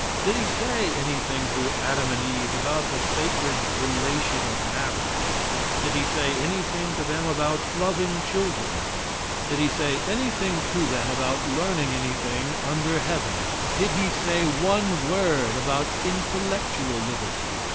Did He say anything to Adam and Eve about the sacred relation of marriage? Did He say anything to them about loving children? Did He say anything to them about learning anything under heaven? Did He say one word about intellectual liberty?